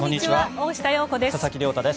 大下容子です。